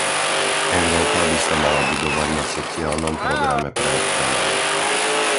Európa by sa mala budovať na sociálnom programe pre občanov.